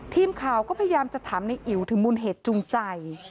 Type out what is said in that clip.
ทีมข่าวก็พยายามจะถามในอิ๋วถึงมูลเหตุจูงใจ